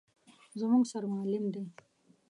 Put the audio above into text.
_زموږ سر معلم دی.